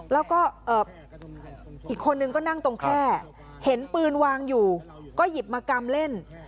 แล้วก็อีกคนนึงก็นั่งตรงแคล่เห็นปืนวางอยู่ก็หยิบมากำเล่น